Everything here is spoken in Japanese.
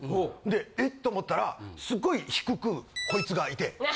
でえっ？と思ったらすごい低くこいつがいて。